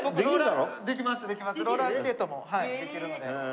ローラースケートもはいできるので。